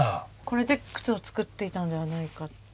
これで靴を作っていたんではないかっていう。